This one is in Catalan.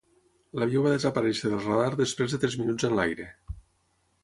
L'avió va desaparèixer del radar després de tres minuts en l'aire.